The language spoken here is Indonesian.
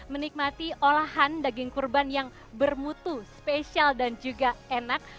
menikmati olahan daging kurban yang bermutu spesial dan juga enak